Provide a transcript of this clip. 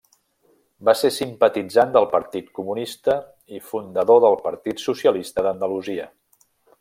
Va ser simpatitzant del Partit Comunista i fundador del Partit Socialista d'Andalusia.